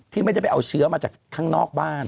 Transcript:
ไม่ได้ไปเอาเชื้อมาจากข้างนอกบ้าน